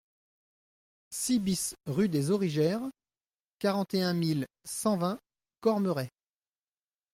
six BIS rue des Origères, quarante et un mille cent vingt Cormeray